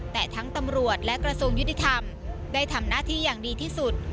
แต่ทั้งตำรวจและกระทรวงยุติธรรมได้ทำหน้าที่อย่างดีที่สุด